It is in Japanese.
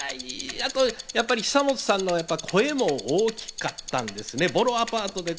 あと、久本さんの声も大きかったんですね。